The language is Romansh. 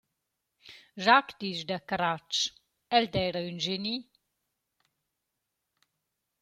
Jacques disch da Caratsch: El d’eira ün geni.